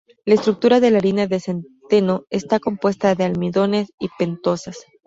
La estructura de la harina de centeno está compuesta de almidones y pentosas.